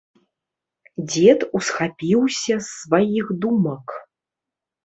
Дзед усхапіўся з сваіх думак.